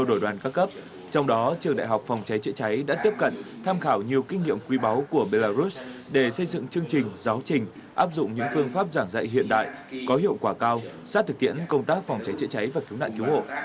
đại tá phạm trường giang đã tiếp cận tham khảo nhiều kinh nghiệm quý báu của belarus để xây dựng chương trình giáo trình áp dụng những phương pháp giảng dạy hiện đại có hiệu quả cao sát thực tiễn công tác phòng cháy chữa cháy và cứu nạn cứu hộ